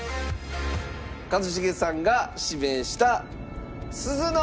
一茂さんが指名した鈴乃○